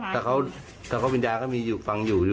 แต่เขาบิญญาจะมีฟังอยู่